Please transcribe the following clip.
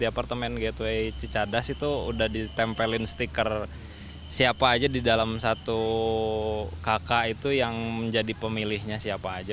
apartemen gateway cicadas itu udah ditempelin stiker siapa aja di dalam satu kakak itu yang menjadi pemilihnya siapa aja